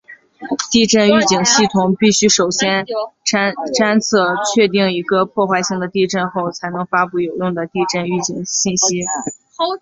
地震预警系统必须首先侦测确定一个破坏性的地震后才能发布有用的地震预警信息。